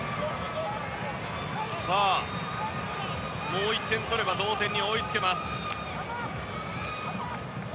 もう１点取れば同点に追いつけます。